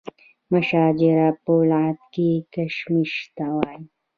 مشاجره په لغت کې کشمکش ته وایي.